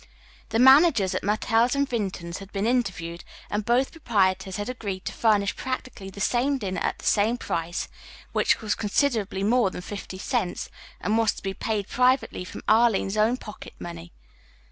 The managers at Martell's and Vinton's had been interviewed, and both proprietors had agreed to furnish practically the same dinner at the same price, which was considerably more than fifty cents, and was to be paid privately from Arline's own pocket money.